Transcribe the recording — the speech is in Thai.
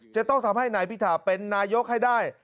จะต้องทำให้นายพิธาเป็นนายกให้ได้